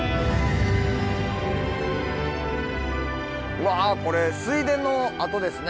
うわこれ水田の跡ですね。